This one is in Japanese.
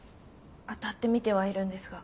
当たってみてはいるんですが。